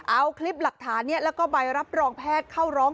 เอาคลิปหลักฐานนี้แล้วก็ใบรับรองแพทย์เข้าร้อง